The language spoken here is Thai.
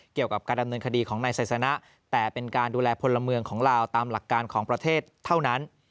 เกี่ยวกับการดำเนินคดีของนายไซสนะแต่เป็นการดูแลพลเมืองของลาวตามหลักการของประเทศเท่านั้น